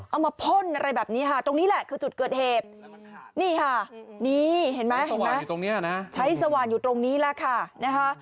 มาพ่นอะไรแบบนี้ค่ะตรงนี้แหละคือจุดเกิดเหตุนี่ค่ะนี่เห็นไหมเห็นไหมใช้สว่านอยู่ตรงนี้แหละค่ะนะคะ